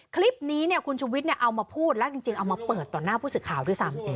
คลิปนี้คุณชุวิตเอามาพูดและจริงเอามาเปิดต่อหน้าผู้สื่อข่าวด้วยซ้ำ